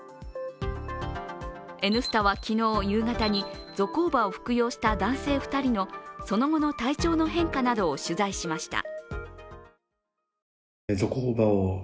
「Ｎスタ」は昨日夕方にゾコーバを服用した男性２人のその後の体調の変化などを取材しました。